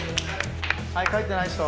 ・はい書いてない人・・